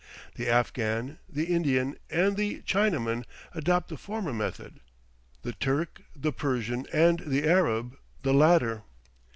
The Afghan, the Indian, and the Chinaman adopt the former method; the Turk, the Persian, and the Arab the latter.